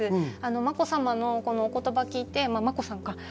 まこさまのお言葉を聞いて、眞子さんか。